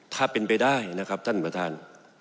ถ้าเป็นไปได้นะครับท่านประธาน